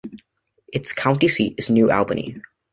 Its county seat is New Albany.